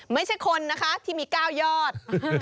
ไม่ใช่คนนะคะที่มี๙ยอด